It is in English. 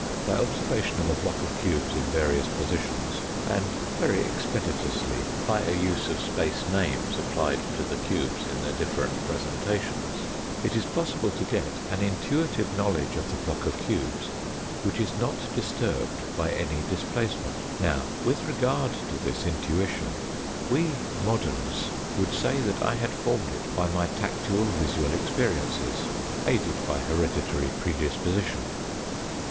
By observation of a block of cubes in various positions, and very expeditiously by a use of Space names applied to the n 265 cubes in their different presentations, it is possible to get an intuitive knowledge of the block of cubes, which is not disturbed by any displacement. Now, with regard to this intuition, we moderns would say that I had formed it by my tactual visual experiences (aided by hereditary pre disposition).